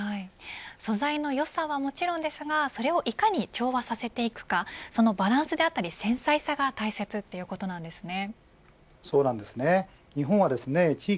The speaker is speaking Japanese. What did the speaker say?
素材のよさはもちろんですがそれをいかに調和させていくかこのバランスであったり繊細さが大切ということなんですね。